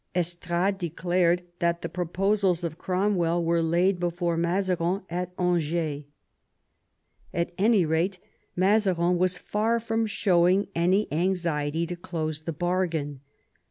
Estrades declared that the proposals of Cromwell were laid before Mazarin at Angers. At any rate, Mazarin 120 MAZABIN chap. was far from showing any anxiety to close the bargain.